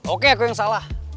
oke aku yang salah